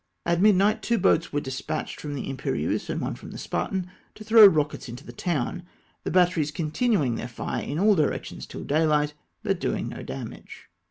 At midnight two boats were despatched from the Imperieuse and one from the Spartan, to throw rockets into the town, the batteries continuing theu" fire in all directions till daylight, but doing no damage.